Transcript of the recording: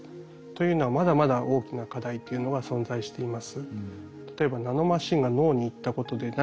というのはまだまだ大きな課題というのが存在しています。